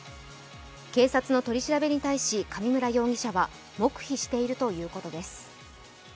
警察の取り調べに対し上村容疑者は黙秘しているということです。